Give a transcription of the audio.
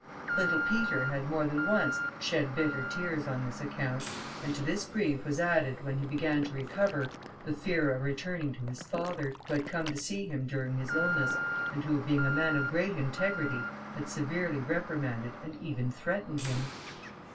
Little Peter had, more than once, shed bitter tears on this account, and to this grief was added, when he began to recover, the fear of returning to his father, who had come to see him during his illness, and who, being a man of great integrity, had severely reprimanded, and even threatened him.